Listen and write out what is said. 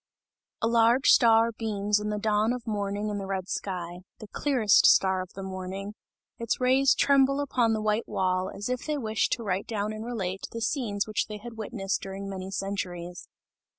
A large star beams in the dawn of morning in the red sky the clearest star of the morning its rays tremble upon the white wall, as if they wished to write down and relate, the scenes which they had witnessed during many centuries.